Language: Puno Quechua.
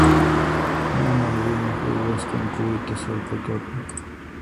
Mana runaq uywasqan quwiqa sallqa kapun.